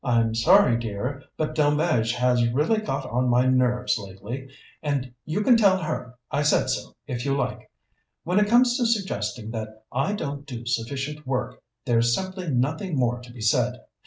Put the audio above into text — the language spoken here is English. "I'm sorry, dear, but Delmege has really got on my nerves lately, and you can tell her I said so if you like. When it comes to suggesting that I don't do sufficient work, there's simply nothing more to be said.